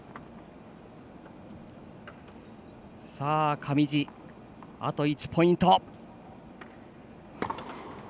上地、あと１ポイント。